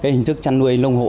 hình thức chăn nuôi nông hộ